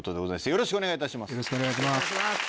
よろしくお願いします。